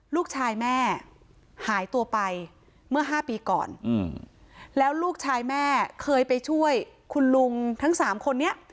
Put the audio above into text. ลูกชายแม่หายตัวไปเมื่อ๕ปีก่อนแล้วลูกชายแม่เคยไปช่วยคุณลุงทั้งสามคนนี้